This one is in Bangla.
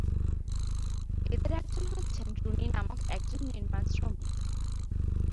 এদের একজন হচ্ছেন রুনি নামক একজন নির্মাণ শ্রমিক।